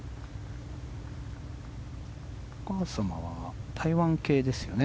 お母様は台湾系ですよね。